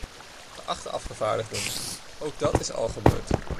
Geachte afgevaardigden, ook dat is al gebeurd!